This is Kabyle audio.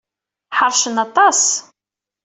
Ḥeṛcen aṭas.